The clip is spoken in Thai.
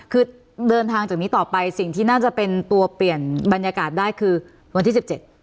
คือเดินทางจากนี้ต่อไปสิ่งที่น่าจะเป็นตัวเปลี่ยนบรรยากาศได้คือวันที่สิบเจ็ด